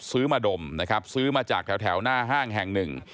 ซื้อมาดมนะครับซื้อมาจากแถวหน้าห้างแห่งหนึ่ง